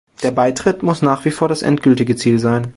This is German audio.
Der Beitritt muss nach wie vor das endgültige Ziel sein.